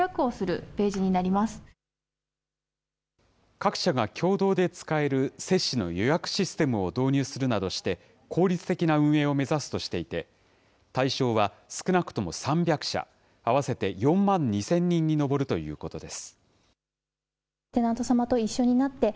各社が共同で使える接種の予約システムを導入するなどして、効率的な運営を目指すとしていて、対象は少なくとも３００社、合わせて４万２０００人に上るということです。